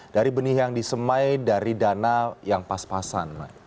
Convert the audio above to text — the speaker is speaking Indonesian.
dari benih yang disemai dari dana yang pas pasan